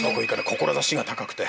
志が高くて。